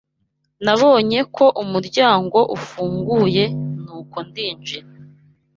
Nabonye ko umuryango ufunguye, nuko ndinjira.